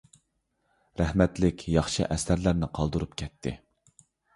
رەھمەتلىك ياخشى ئەسەرلەرنى قالدۇرۇپ كەتتى.